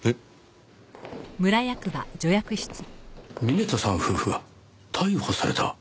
峰田さん夫婦が逮捕された？